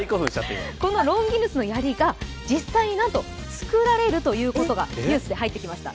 このロンギヌスの槍が実際に作られるということがニュースで入ってきました。